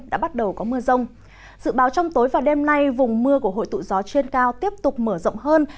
dự báo trong tối và đêm nay vùng mưa của hội tụ gió trên cao tiếp tục mở rộng hơn